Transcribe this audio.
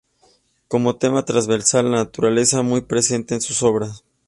Como tema transversal la naturaleza, muy presente en sus obras.